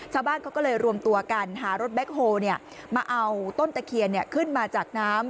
ชาวบ้านเขาก็เลยรวมตัวกันหารถแบ็คโฮลมาเอาต้นตะเคียนขึ้นมาจากน้ำ